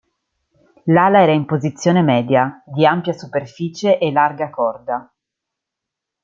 L'ala era in posizione media, di ampia superficie e larga corda.